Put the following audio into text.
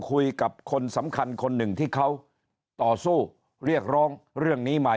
คุยกับคนสำคัญคนหนึ่งที่เขาต่อสู้เรียกร้องเรื่องนี้มา